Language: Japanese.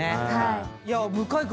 向井君